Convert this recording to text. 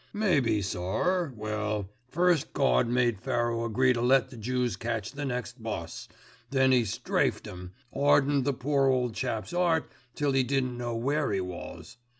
"Maybe, sir. Well, first Gawd made Pharaoh agree to let the Jews catch the next bus, then 'E strafed 'im, 'ardening the poor ole chap's 'eart till 'e didn't know where 'e was.